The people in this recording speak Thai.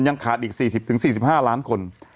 ยังขาดอีก๔๐๔๕ล้านคน